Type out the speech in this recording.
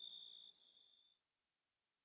maksudnya rotasi sahamnya nasib bernama schoenfeld